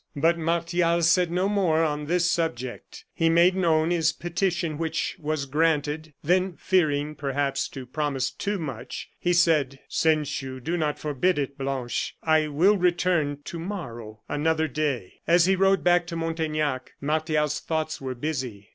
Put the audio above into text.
But Martial said no more on this subject. He made known his petition, which was granted, then fearing, perhaps, to promise too much, he said: "Since you do not forbid it, Blanche, I will return to morrow another day." As he rode back to Montaignac, Martial's thoughts were busy.